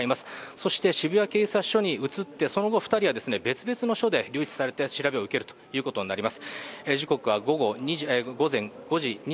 そして渋谷警察署に移って、その後２人は別々の署で留置されて調べを受けることになります。